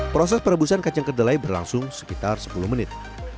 proses perebusan kacang kedelai berlangsung sekitar sepuluh menit